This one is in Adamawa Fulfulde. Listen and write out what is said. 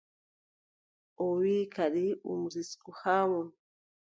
O wiʼi kadi ɗum risku haa mon.